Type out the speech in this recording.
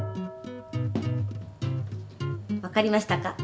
分かりましたか？